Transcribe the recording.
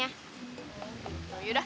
yaudah kalau gitu kita duluan ya